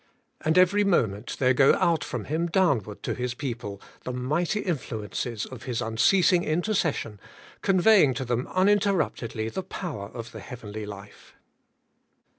And every moment there go out from Him downward to His people, the mighty influences of. His unceasing intercession, conveying to them uninterruptedly the power of the heavenly life.